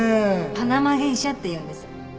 パナマゲイシャっていうんです。